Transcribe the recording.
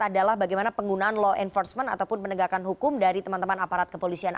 adalah bagaimana penggunaan law enforcement ataupun penegakan hukum dari teman teman aparat kepolisian